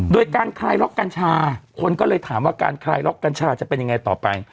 โดยการคลายล็อกกัญชาคนก็เลยถามว่าการคลายล็อกกัญชาจะเป็นยังไงต่อไป